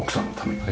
はい。